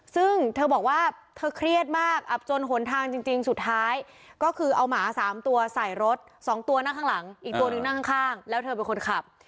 ซึ่งเธอบอกว่าเธอเครียดมากอับจนหนทางจริงสุดท้ายก็คือเอาหมา๓ตัวใส่รถสองตัวนั่งข้างหลังอีกตัวหนึ่งนั่งข้างแล้วเธอเป็นคนขับ